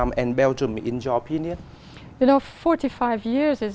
quốc gia phát triển